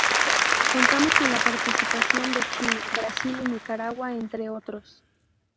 Contamos con la participación de China, Brasil y Nicaragua entre otros.